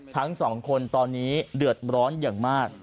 ทั้งสองคนตอนนี้เดือดร้อนอย่างมาก